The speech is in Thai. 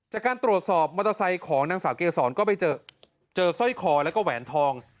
จากการตรวจสอบมอเตอร์ไซค์ของนางสาวเกษรก็ไปเจอเจอสร้อยคอแล้วก็แหวนทอง